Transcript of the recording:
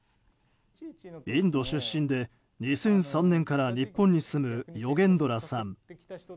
インド出身で２００３年から日本に住むヨゲンドラさん。